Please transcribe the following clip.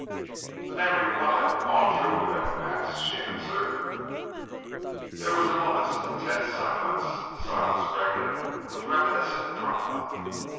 "The memory of what I have gone through will never pass," she answered. There was a moment's intense silence, a silence pregnant with reminiscent drama.